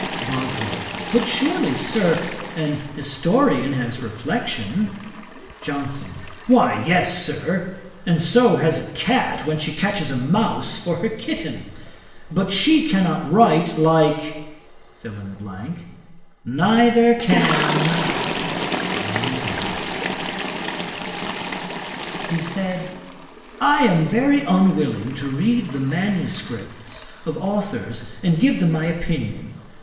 BOSWELL. 'But surely, Sir, an historian has reflection.' JOHNSON. 'Why yes, Sir; and so has a cat when she catches a mouse for her kitten. But she cannot write like ; neither can .' He said, 'I am very unwilling to read the manuscripts of authours, and give them my opinion.